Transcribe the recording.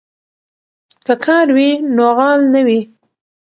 که کار وي نو غال نه وي.